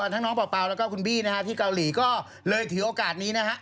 ทั้งน้องป่าวแล้วก็คุณพี่ที่เกาหลีก็เลยถือโอกาสนี้นะครับ